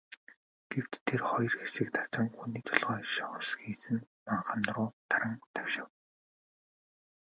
Гэвч хоёр хэсэг тасран, хүний толгой шовсхийсэн манхан руу таран давшив.